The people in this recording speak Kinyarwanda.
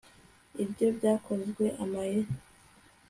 ibyo byakoze amayeri